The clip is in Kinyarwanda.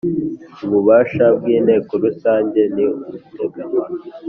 Ububasha bw inteko rusange ni ubuteganywa